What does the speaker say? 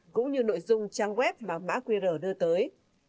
cũng như nội dung trang web mà mã qr đưa tới